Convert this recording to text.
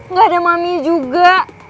gak ada mami juga